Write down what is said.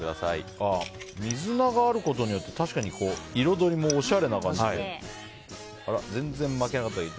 水菜があることによって確かに彩りもおしゃれな感じですね。